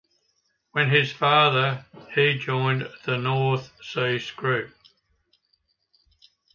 When his father he joined the North Sea Scroop.